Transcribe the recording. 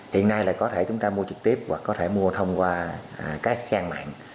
hiện nay là có thể chúng ta mua trực tiếp hoặc có thể mua thông qua các trang mạng